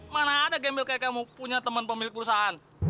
mana ada gemil kayak kamu punya teman pemilik perusahaan